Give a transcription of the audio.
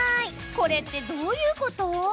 これって、どういうこと？